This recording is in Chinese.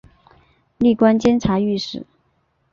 历官监察御史。